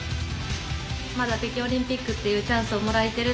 まだ北京オリンピックっていうチャンスをもらえてる。